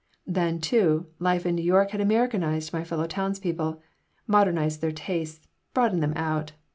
Then, too, life in New York had Americanized my fellow townspeople, modernized their tastes, broadened them out.